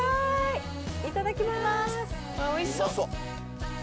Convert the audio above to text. いただきます。